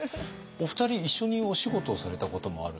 お二人一緒にお仕事をされたこともある？